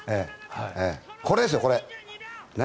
これですよ、これ。